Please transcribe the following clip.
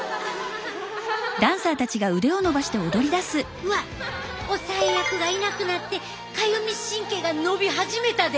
うわっ抑え役がいなくなってかゆみ神経が伸び始めたで！